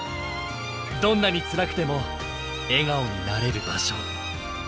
どんなにつらくても笑顔になれる場所。